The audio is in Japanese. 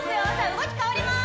動き変わります